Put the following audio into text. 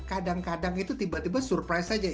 kadang kadang itu tiba tiba surprise saja